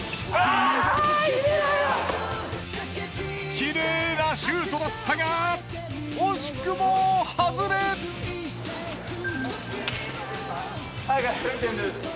きれいなシュートだったが惜しくも外れ！早く。